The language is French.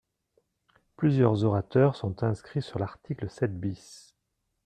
Plusieurs orateurs sont inscrits sur l’article sept bis.